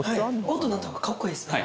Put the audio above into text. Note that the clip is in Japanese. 音鳴ったほうがかっこいいですね